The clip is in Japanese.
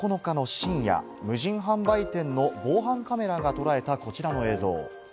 今月９日の深夜、無人販売店の防犯カメラがとらえたこちらの映像。